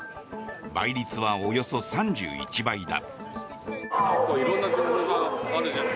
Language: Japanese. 倍率はおよそ３１倍だ。